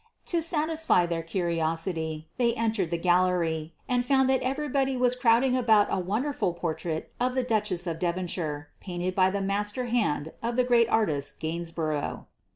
To satisfy their curiosity they entered the gallery and found that everybody was crowding about a wonderful portrait of the Duchess of Devonshire, painted by the master hand of the great artist Gainsborough.